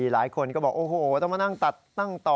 หลายคนก็บอกโอ้โหต้องมานั่งตัดตั้งต่อ